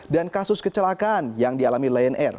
dan kasus kecelakaan yang dialami lion air